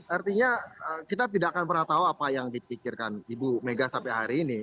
artinya kita tidak akan pernah tahu apa yang dipikirkan ibu mega sampai hari ini